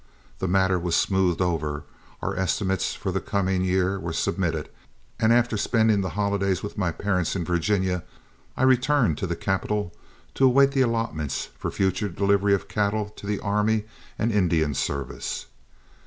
The matter was smoothed over, our estimates for the coming year were submitted, and after spending the holidays with my parents in Virginia, I returned to the capital to await the allotments for future delivery of cattle to the Army and Indian service.